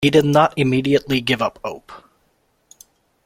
He did not immediately give up hope.